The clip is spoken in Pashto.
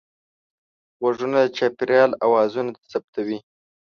غوږونه د چاپېریال اوازونه ثبتوي